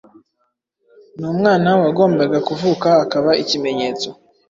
Ni umwana wagombaga kuvuka akaba ikimenyetso